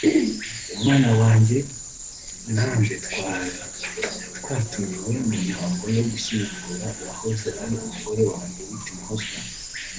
Umwana wanjye nanjye twari twatumiwe mu mihango yo gushyingura uwahoze ari umugore wanjye Whitney Houston